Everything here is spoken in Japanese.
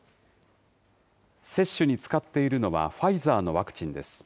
接種に使っているのは、ファイザーのワクチンです。